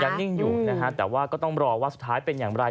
นิ่งอยู่นะฮะแต่ว่าก็ต้องรอว่าสุดท้ายเป็นอย่างไร